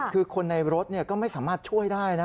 คือคนในรถก็ไม่สามารถช่วยได้นะ